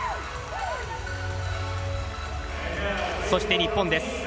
そして、日本です。